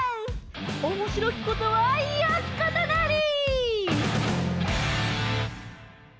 「おもしろきことはよきことなり」！